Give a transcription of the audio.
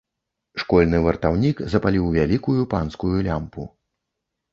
Школьны вартаўнік запаліў вялікую, панскую лямпу.